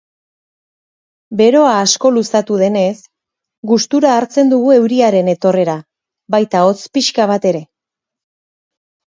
Beroa asko luzatu denez, gustura hartzen dugu euriaren etorrera, baita hotz pixka bat ere.